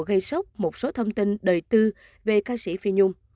gây sốc một số thông tin đời tư về ca sĩ phi nhung